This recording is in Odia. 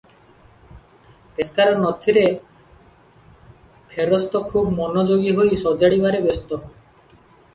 ପେସ୍କାରେ ନଥିର ଫେରସ୍ତ ଖୁବ୍ ମନଯୋଗୀ ହୋଇ ସଜାଡ଼ିବାରେ ବ୍ୟସ୍ତ ।